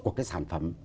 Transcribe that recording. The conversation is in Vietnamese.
của cái sản phẩm